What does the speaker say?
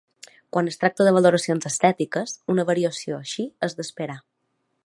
Quan es tracta de valoracions estètiques, una variació així és d'esperar.